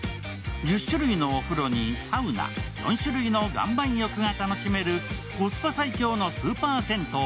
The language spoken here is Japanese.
１０種類のお風呂にサウナ、４種類の岩盤浴が楽しめるコスパ最強のスーパー銭湯。